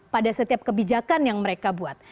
pada setiap kebijakan yang mereka buat